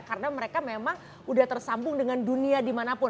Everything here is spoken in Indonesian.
karena mereka memang udah tersambung dengan dunia dimanapun